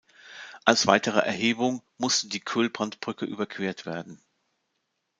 Als weitere Erhebung musste die Köhlbrandbrücke überquert werden.